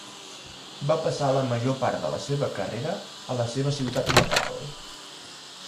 Va passar la major part de la seva carrera a la seva ciutat natal.